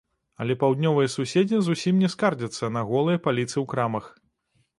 Але паўднёвыя суседзі зусім не скардзяцца на голыя паліцы ў крамах.